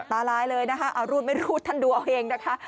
ตาลายเลยนะคะเอารูดไม่รูดท่านดูเอาเองนะคะ